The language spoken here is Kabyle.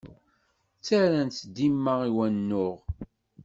Ttarran-tt dima i wanuɣ.